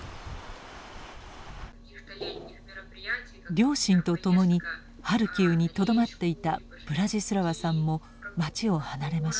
両親と共にハルキウにとどまっていたブラジスラワさんも町を離れました。